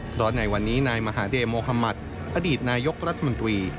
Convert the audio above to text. เพราะในวันนี้นายมหาเดโมฮามัติอดีตนายกรัฐมนตรี